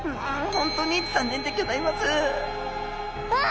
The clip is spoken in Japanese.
本当に残念でギョざいますあっ！